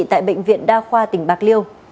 tại bệnh viện đa khoa tỉnh bạc liêu